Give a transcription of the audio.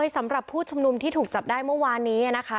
สำหรับผู้ชุมนุมที่ถูกจับได้เมื่อวานนี้นะคะ